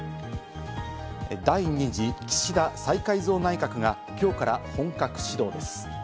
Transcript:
第２次岸田再改造内閣がきょうから本格始動です。